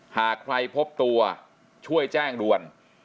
หากใครพบตัวช่วยแจ้งด่วน